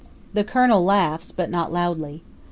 The Colonel laughs, but not loudly.